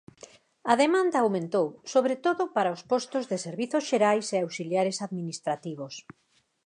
A demanda aumentou, sobre todo, para os postos de servizos xerais e auxiliares administrativos.